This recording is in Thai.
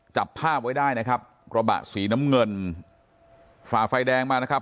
จับภาพไว้ได้นะครับกระบะสีน้ำเงินฝ่าไฟแดงมานะครับ